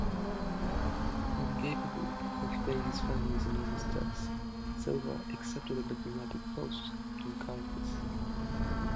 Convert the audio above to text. Incapable of paying his family's enormous debts, Silva accepted a diplomatic post in Caracas.